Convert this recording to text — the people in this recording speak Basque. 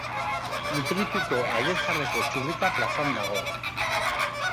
Mutrikuko Alde Zaharreko Txurruka plazan dago.